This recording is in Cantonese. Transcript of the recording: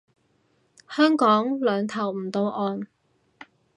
香港兩頭唔到岸